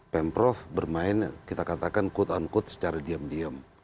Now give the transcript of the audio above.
pemprov bermain kita katakan quote unquote secara diam diam